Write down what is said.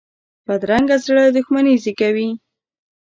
بدرنګه زړه دښمني زېږوي